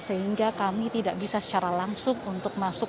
sehingga kami tidak bisa secara langsung untuk masuk